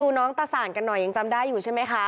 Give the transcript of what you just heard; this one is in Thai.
น้องตาสานกันหน่อยยังจำได้อยู่ใช่ไหมคะ